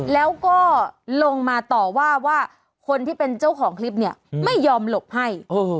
แล้วก็ลงมาต่อว่าว่าคนที่เป็นเจ้าของคลิปเนี่ยไม่ยอมหลบให้